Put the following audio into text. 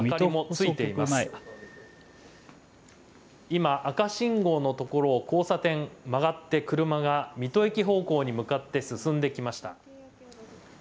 今、赤信号のところを交差点、曲がって車が水戸駅方向に向かって進んできました。